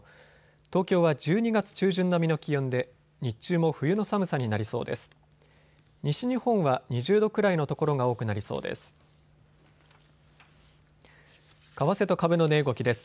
東京は１２月中旬並みの気温で日中も冬の寒さになりそうです。